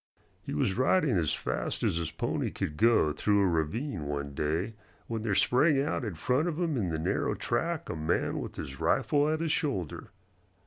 He was riding as fast as his pony could go through a ravine one day when there sprang out in front of him in the narrow track a man with his rifle at his shoulder.